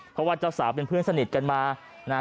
เพราะว่าเจ้าสาวเป็นเพื่อนสนิทกันมานะฮะ